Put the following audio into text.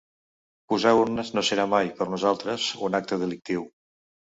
Posar urnes no serà mai, per nosaltres, un acte delictiu.